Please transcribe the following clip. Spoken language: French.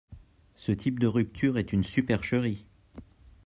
Ce type de rupture est une supercherie.